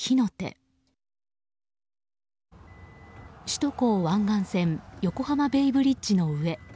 首都高湾岸線横浜ベイブリッジの上。